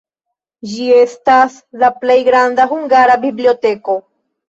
Ĝi estas la plej granda hungara biblioteko.